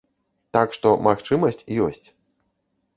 Так што магчымасць ёсць.